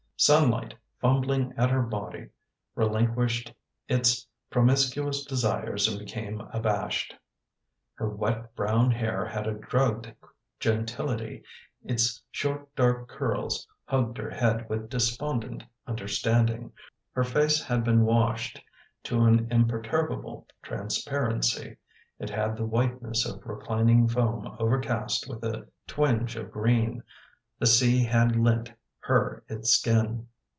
Sunlight, fumbling at her body, relinquished its promiscuous desires and became abashed. Her wet brown hair had a drugged gentility: its short dark curls hugged her head with despondent understanding. Her face had been washed to an imper turbable transparency, it had the whiteness of reclining foam overcast with a twinge of green — the sea had lent her its skin.